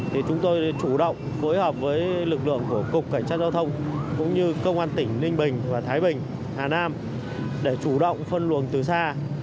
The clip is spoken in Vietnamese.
thì chúng tôi chủ động phối hợp với lực lượng của cục cảnh sát giao thông cũng như công an tỉnh ninh bình và thái bình hà nam để chủ động phân luồng từ xa